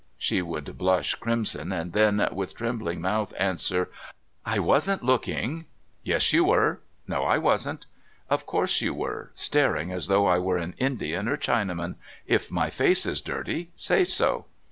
She would blush crimson and then, with trembling mouth, answer: "I wasn't looking." "Yes, you were." "No, I wasn't." "Of course, you were staring as though I were an Indian or Chinaman. If my face is dirty, say so."